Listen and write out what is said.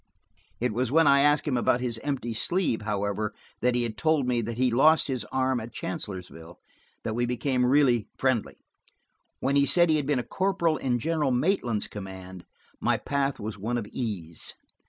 It was when I asked him about his empty sleeve, however, and he had told me that he lost his arm at Chancellorsville, that we became really friendly. When he said he had been a corporal in General Maitland's command, my path was one of ease.